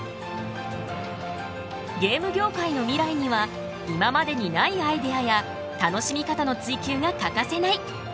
ゲーム業界の未来には今までにないアイデアや楽しみ方の追求が欠かせない。